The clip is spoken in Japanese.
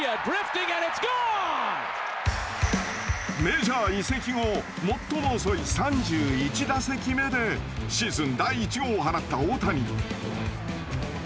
メジャー移籍後最も遅い３１打席目でシーズン第１号を放った大谷。